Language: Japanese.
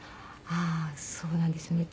ああーそうなんですよね。